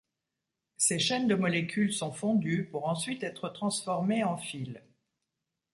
Ces chaînes de molécules sont fondues, pour ensuite être transformées en fils.